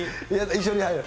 一緒に入る。